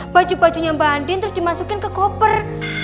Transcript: baju bajunya mbak andin terus dimasukin ke koper